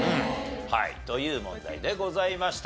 という問題でございました。